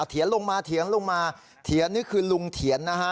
เถียนลงมาเถียงลงมาเถียนนี่คือลุงเถียนนะฮะ